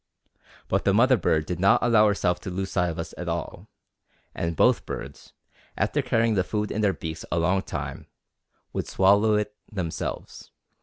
But the mother bird did not allow herself to lose sight of us at all, and both birds, after carrying the food in their beaks a long time, would swallow it themselves.